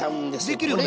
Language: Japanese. できるよね。